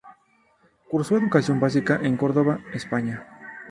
Cursó educación básica en Córdoba, España.